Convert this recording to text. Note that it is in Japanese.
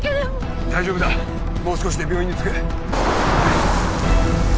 大丈夫だもう少しで病院に着く。